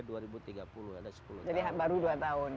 jadi baru dua tahun